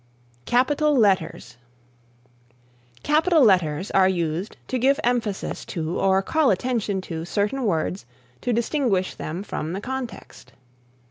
CAPITAL LETTERS Capital letters are used to give emphasis to or call attention to certain words to distinguish them from the context.